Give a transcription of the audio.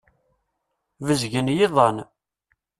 Bezgen yiḍan.